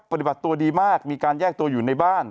ปฏิบัติตัวดีมากมีการแยกตัวอยู่ในบ้าน